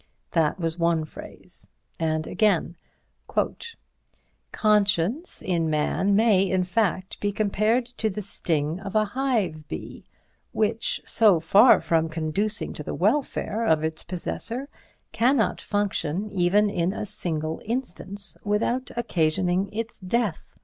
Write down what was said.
That was one phrase; and again: "Conscience in man may, in fact, be compared to the sting of a hive bee, which, so far from conducing to the welfare of its possessor, cannot function, even in a single instance, without occasioning its death.